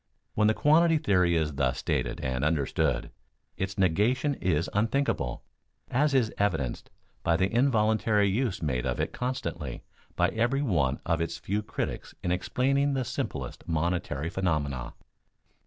When the quantity theory is thus stated and understood, its negation is unthinkable, as is evidenced by the involuntary use made of it constantly by every one of its few critics in explaining the simplest monetary phenomena.